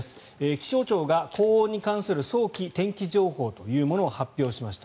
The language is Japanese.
気象庁が高温に関する早期天候情報というものを発表しました。